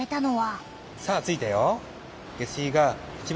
さあ着いたよ。